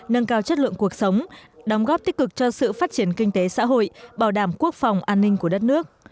nâng cao chất lượng cuộc sống đóng góp tích cực cho sự phát triển kinh tế xã hội bảo đảm quốc phòng an ninh của đất nước